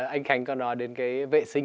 anh khánh có nói đến cái vệ sinh